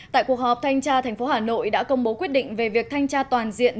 tại cuộc họp thanh tra tp hà nội đã công bố quyết định về việc thanh tra toàn diện